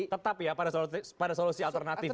tetap ya pada solusi alternatif ya